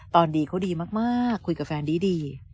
ตอนดีเขาดีมากคุยกับแฟนดี